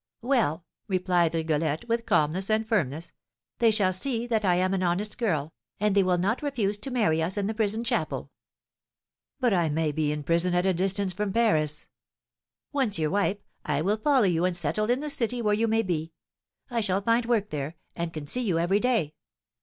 "Well," replied Rigolette, with calmness and firmness, "they shall see that I am an honest girl, and they will not refuse to marry us in the prison chapel." "But I may be put in prison at a distance from Paris." "Once your wife, I will follow you and settle in the city where you may be. I shall find work there, and can see you every day."